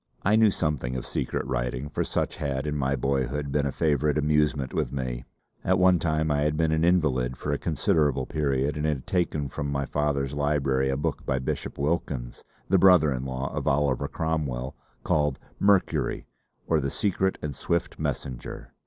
I knew something of secret writing, for such had in my boyhood been a favourite amusement with me. At one time I had been an invalid for a considerable period and had taken from my father's library a book by Bishop Wilkins, the brother in law of Oliver Cromwell, called "Mercury: or the Secret and Swift Messenger."